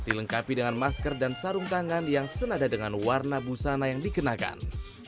dilengkapi dengan masker dan sarung tangan yang senada dengan warna busana yang dikenakan